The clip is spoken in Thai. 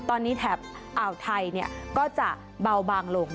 ตอนนี้แถบอ่าวไทยก็จะเบาบางลง